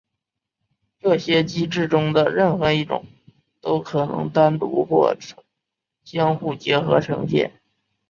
这些机制中的任何一种都可能单独或相互结合呈现。